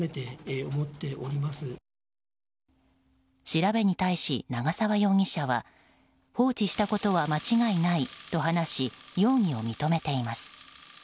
調べに対し、長沢容疑者は放置したことは間違いないと話し容疑を認めています。